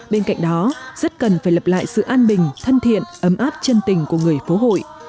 bên cạnh đó rất cần phải lập lại sự an bình thân thiện ấm áp chân tình của người phố hội